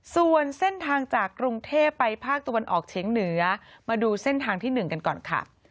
ส่วนเส้นทางจากกรุงเทพไปภาคตะวันออกเฉียงเหนือมาดูเส้นทางที่๑กันก่อนค่ะ